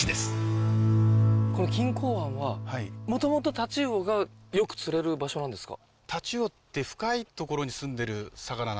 この錦江湾はもともとタチウオがよく釣れる場所なんですか？